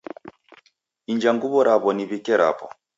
Inja nguw'o raw'o niw'ike rapo